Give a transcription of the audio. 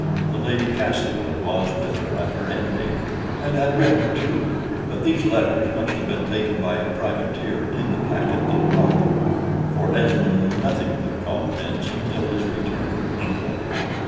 The Lady Castlewood was with her at her ending, and had written too, but these letters must have been taken by a privateer in the packet that brought them; for Esmond knew nothing of their contents until his return to England.